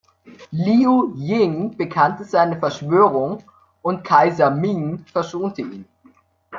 Liu Jing bekannte seine Verschwörung, und Kaiser Ming verschonte ihn.